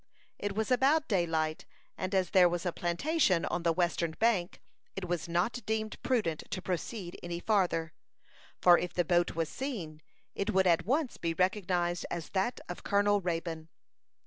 It was about daylight, and as there was a plantation on the western bank, it was not deemed prudent to proceed any farther, for if the boat was seen, it would at once be recognized as that of Colonel Raybone.